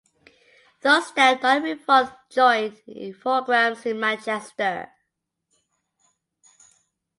Those staff not in revolt joined Infogrames in Manchester.